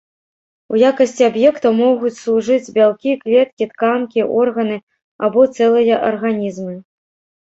У якасці аб'ектаў могуць служыць бялкі, клеткі, тканкі, органы, або цэлыя арганізмы.